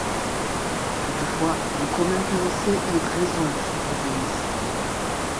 Toutefois, des problèmes financiers eurent raison de ce projet initial.